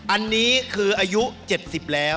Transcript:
อันนี้คืออายุ๗๐แล้ว